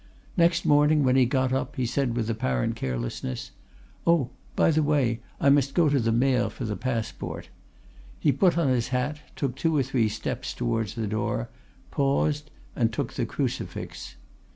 "Next morning when he got up he said with apparent carelessness, 'Oh, by the way, I must go to the Maire for the passport.' He put on his hat, took two or three steps towards the door, paused, and took the crucifix.